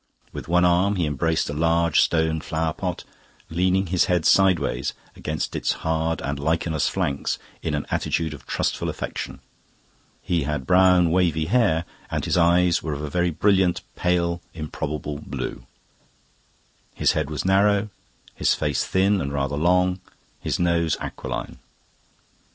With one arm he embraced a large stone flower pot, leaning his head sideways against its hard and lichenous flanks in an attitude of trustful affection. He had brown, wavy hair, and his eyes were of a very brilliant, pale, improbable blue. His head was narrow, his face thin and rather long, his nose aquiline.